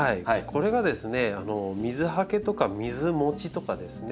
これがですね水はけとか水もちとかですね